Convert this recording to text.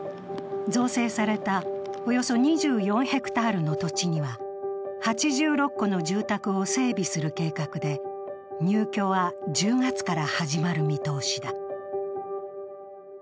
造成されたおよそ２４ｈａの土地には８６戸の住宅を整備する計画で、入居は１０月から始まる見通しだ。